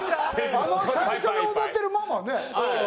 あの最初に踊ってるママね。